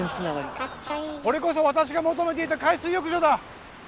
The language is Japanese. これこそ私が求めていた海水浴場だ！